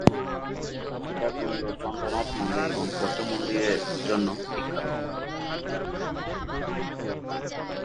সীতাকুণ্ড চন্দ্রনাথ মন্দির এবং বৌদ্ধ মন্দিরের জন্য বিখ্যাত।